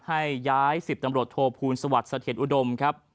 ให้ย้าย๑๐ตำรวจโทษภูมิสวัสดิ์เศรษฐ์อุดม